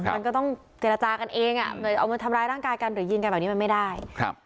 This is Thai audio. มันก็ต้องเจรจากันเองอ่ะเกิดเอามาทำร้ายร่างกายกันหรือยิงกันแบบนี้มันไม่ได้ครับ